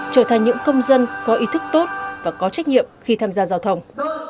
trở thành những công dân có ý thức tốt và có trách nhiệm khi tham gia giao thông